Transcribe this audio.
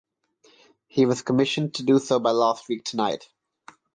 He was commissioned to do so by "Last Week Tonight".